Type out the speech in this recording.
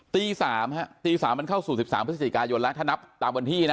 ตี๓ตี๓มันเข้าสู่๑๓พฤศจิกายนแล้วถ้านับตามวันที่นะ